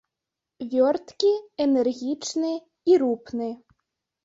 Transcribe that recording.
Вёрткі, энергічны і рупны.